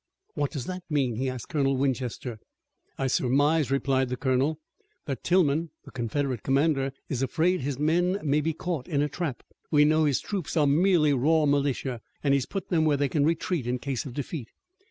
"What does that mean?" he asked Colonel Winchester. "I surmise," replied the colonel, "that Tilghman, the Confederate commander, is afraid his men may be caught in a trap. We know his troops are merely raw militia, and he has put them where they can retreat in case of defeat.